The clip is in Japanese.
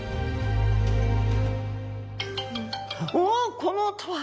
おおっこの音は。